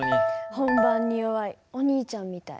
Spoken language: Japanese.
本番に弱いお兄ちゃんみたい。